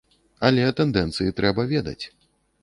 Але тэндэнцыі трэба ведаць.